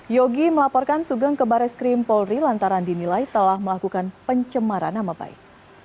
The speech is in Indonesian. yogi melaporkan sugeng ke baris krim polri lantaran dinilai telah melakukan pencemaran nama baik